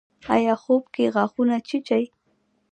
ایا خوب کې غاښونه چیچئ؟